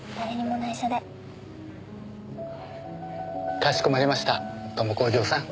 かしこまりました朋子お嬢さん。